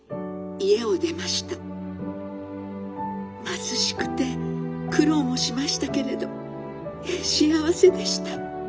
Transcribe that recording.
貧しくて苦労もしましたけれど幸せでした。